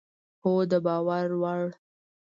هو، د باور وړ